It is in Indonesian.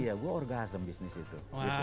iya gue orgasem bisnis itu